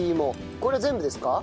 これ全部ですか？